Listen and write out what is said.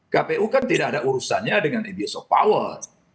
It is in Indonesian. kpu kan tidak ada urusannya dengan abuse of power